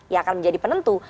yang akan menjadi penentu